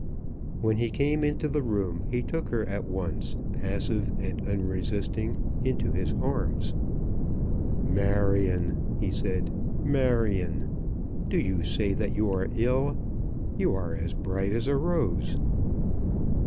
When he came into the room he took her at once, passive and unresisting, into his arms. "Marion," he said. "Marion! Do you say that you are ill? You are as bright as a rose."